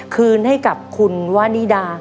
คืนให้กับคุณวานิดา